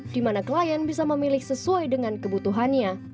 dimana klien bisa memilih sesuai dengan kebutuhannya